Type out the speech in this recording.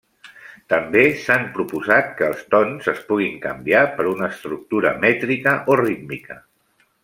També s'han proposat que els tons es puguin canviar per una estructura mètrica o rítmica.